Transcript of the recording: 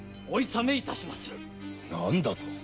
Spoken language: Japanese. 何だと！？